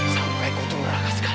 sampai kutumbrakan sekali